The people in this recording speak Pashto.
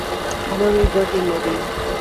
نو ډېرې ګټې لري.